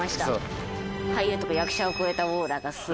俳優とか役者を超えたオーラがすごい。